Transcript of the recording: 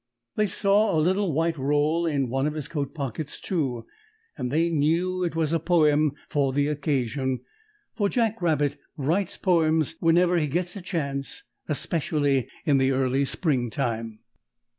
They saw a little white roll in one of his coat pockets, too, and they knew it was a poem for the occasion, for Jack Rabbit writes poems whenever he gets a chance, specially in the early springtime.